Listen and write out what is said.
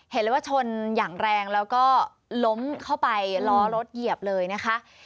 เห็นเลยว่าชนอย่างแรงแล้วก็ล้มเข้าไปล้อรถเหยียบเลยนะคะ